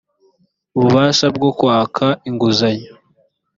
ububasha bwo kwaka inguzanyo